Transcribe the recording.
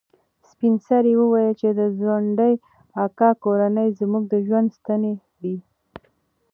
سپین سرې وویل چې د ځونډي اکا کورنۍ زموږ د ژوند ستنې دي.